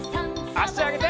あしあげて。